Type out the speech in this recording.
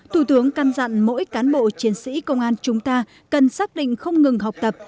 thủ tướng căn dặn mỗi cán bộ chiến sĩ công an chúng ta cần xác định không ngừng học tập